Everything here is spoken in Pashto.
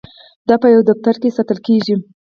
دا په یو دفتر کې ساتل کیږي.